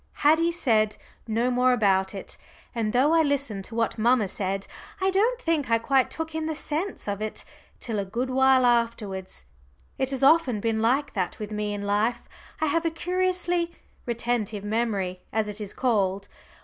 Haddie said no more about it. And though I listened to what mamma said, I don't think I quite took in the sense of it till a good while afterwards. It has often been like that with me in life. I have a curiously "retentive" memory, as it is called.